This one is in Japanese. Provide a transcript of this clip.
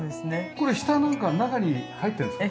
これ下なんか中に入ってるんですか？